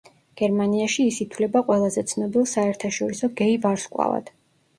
გერმანიაში ის ითვლება ყველაზე ცნობილ საერთაშორისო გეი ვარსკვლავად.